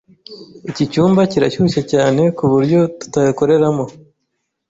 Iki cyumba kirashyushye cyane kuburyo tutakoreramo.